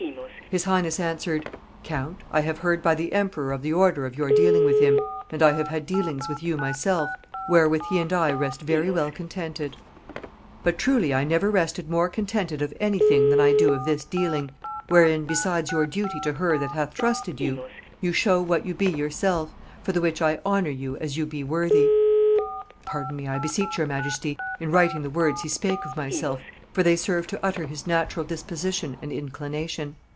"His highness answered, 'Count, I have heard by the emperor of the order of your dealing with him, and I have had dealings with you myself, wherewith he and I rest very well contented; but truly I never rested more contented of any thing than I do of this dealing, wherein, besides your duty to her that hath trusted you, you show what you be yourself, for the which I honor you as you be worthy;' (pardon me, I beseech your majesty, in writing the words he spake of myself, for they serve to utter his natural disposition and inclination.)